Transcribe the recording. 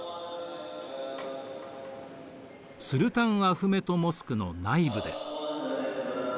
スルタンアフメト・モスクの内部です。